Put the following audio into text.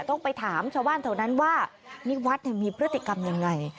ต้องไปถามชาวบ้านแถวนั้นว่านิวัฒน์มีพฤติกรรมยังไง